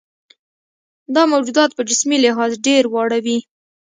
دا موجودات په جسمي لحاظ ډېر واړه وي.